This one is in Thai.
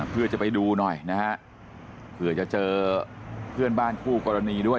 เพื่อจะไปดูหน่อยนะฮะเผื่อจะเจอเพื่อนบ้านคู่กรณีด้วย